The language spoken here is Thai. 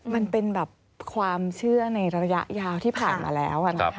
มันเป็นแบบความเชื่อในระยะยาวที่ผ่านมาแล้วนะคะ